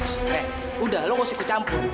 sst udah lo gak usah ikut campur